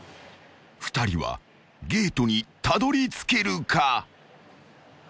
［２人はゲートにたどりつけるか？］